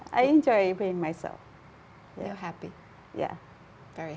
saya menikmati diri saya sendiri